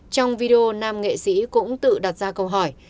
trong video nam nghệ sĩ cũng tự đặt ra câu hỏi